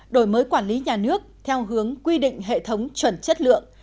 đổi mới quản lý nhà nước theo hướng quy định hệ thống chuẩn chất lượng